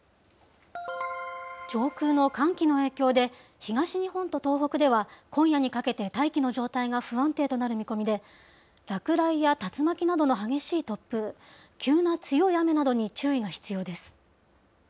上空の寒気の影響で、東日本と東北では今夜にかけて大気の状態が不安定となる見込みで、落雷や竜巻などの激しい突風、急な強い雨などに注意が必要です。